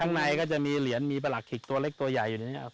ข้างในก็จะมีเหรียญมีประหลักขิกตัวเล็กตัวใหญ่อยู่ในนี้ครับ